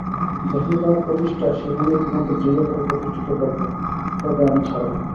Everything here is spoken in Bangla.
যেখানে তোমার প্রতিষ্ঠা সেইখানেই তোমাকে দৃঢ় করে প্রতিষ্ঠিত করব তবে আমি ছাড়ব।